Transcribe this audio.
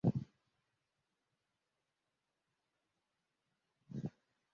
Hano harumukobwa wambaye ingofero yibendera ya Amerika ahagaze mumurima